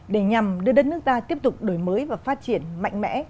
để nhằm đưa đất nước ta tiếp tục đổi mới và phát triển mạnh mẽ